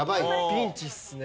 ピンチっすね。